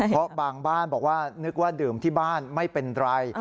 เพราะบางบ้านบอกว่านึกว่าดื่มที่บ้านไม่เป็นไร